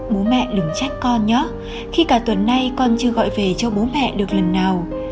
bố mẹ đừng trách con nhớ khi cả tuần nay con chưa gọi về cho bố mẹ được lần nào